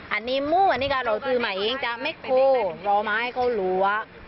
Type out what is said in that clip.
อันนี้หมู่อันนี้ก็ร้อซื้อมาเองจะไม่โคร้อมาให้เขารั้ว